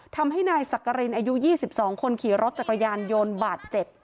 ทำให้นายสักกรินอายุ๒๒คนขี่รถจักรยานยนต์บาดเจ็บ